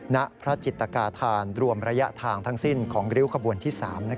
ณพระจิตกาธานรวมระยะทางทั้งสิ้นของริ้วขบวนที่๓